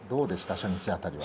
初日辺りは。